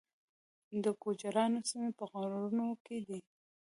د ګوجرانو سیمې په غرونو کې دي